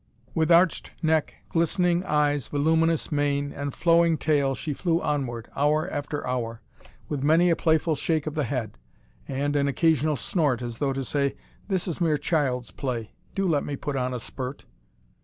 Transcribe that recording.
With arched neck, glistening eyes, voluminous mane, and flowing tail she flew onward, hour after hour, with many a playful shake of the head, and an occasional snort, as though to say, "This is mere child's play; do let me put on a spurt!"